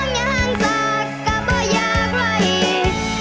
มองอย่างสักก็ไม่อยากไหล